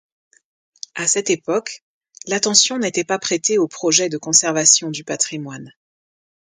A cette époque l'attention n'était pas prétée aux projets de conservation du patrimoine.